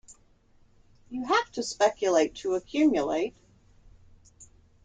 You have to speculate, to accumulate.